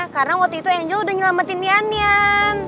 karena waktu itu angel udah nyelamatin ian ian